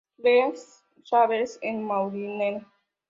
Les Chavannes-en-Maurienne